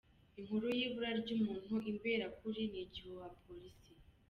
Inkuru y’ibura ry’umuntu Imberakuri ni igihuha Polisi